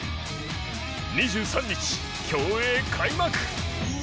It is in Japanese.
２３日、競泳開幕。